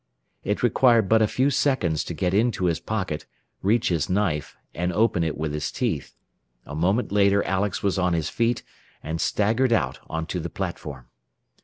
It required but a few seconds to get into his pocket, reach his knife, and open it with his teeth. A moment later Alex was on his feet, and staggered out onto the platform.